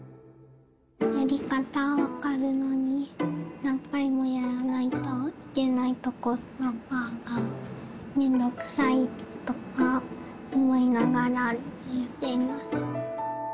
やり方は分かるのに、何回もやらないといけないところが面倒くさいとか思いながらやっています。